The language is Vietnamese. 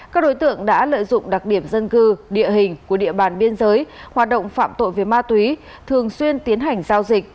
các đối tượng đã lợi dụng đặc điểm dân cư địa hình của địa bàn biên giới hoạt động phạm tội về ma túy thường xuyên tiến hành giao dịch